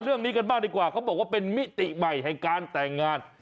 เรื่องนี้กันบ้างดีกว่าเขาบอกว่าเป็นมิติใหม่แห่งการแต่งงาน